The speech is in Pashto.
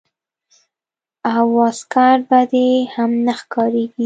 او واسکټ به دې هم نه ښکارېږي.